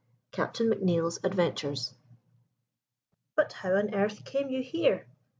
CAPTAIN MCNEILL'S ADVENTURES. "But how on earth came you here?"